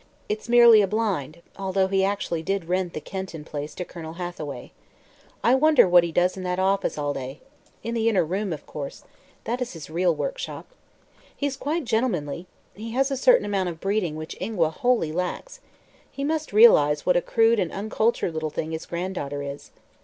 "It's merely a blind, although he actually did rent the Kenton Place to Colonel Hathaway...I wonder what he does in that office all day. In the inner room, of course. That is his real workshop...He's quite gentlemanly. He has a certain amount of breeding, which Ingua wholly lacks....He must realize what a crude and uncultured little thing his granddaughter is.